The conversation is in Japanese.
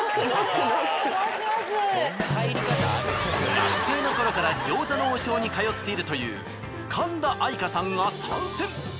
学生の頃から餃子の王将に通っているという神田愛花さんが参戦！